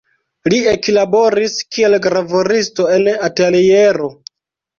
Li eklaboris kiel gravuristo en ateliero.